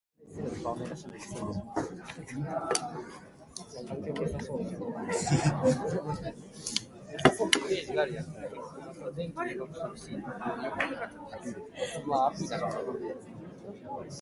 人生とは、予測不可能な出来事の連続ですね。